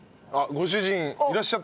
ご主人！